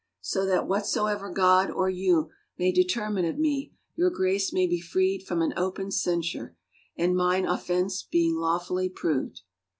So that, whatsoever God or you may de termine of me, your Grace may be freed from an open censure ; and mine offense being lawfully proved.